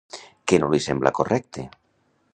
Què no li sembla correcte?